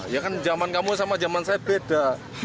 ya kan jaman kamu sama jaman saya beda